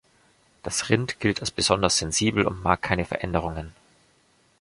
Das Rind gilt als besonders sensibel und mag keine Veränderungen.